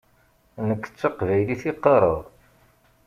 Nekk d taqbaylit i qqaṛeɣ.